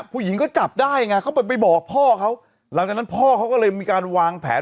ผู้หญิงก็จับได้ไงเขาไปบอกพ่อเขาหลังจากนั้นพ่อเขาก็เลยมีการวางแผน